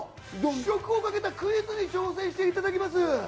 試食をかけたクイズに挑戦していただきます。